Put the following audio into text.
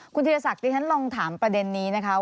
คุณธีรศักดิฉันลองถามประเด็นนี้นะคะ